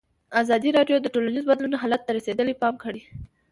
ازادي راډیو د ټولنیز بدلون حالت ته رسېدلي پام کړی.